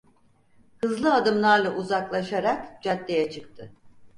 Hızlı adımlarla uzaklaşarak caddeye çıktı.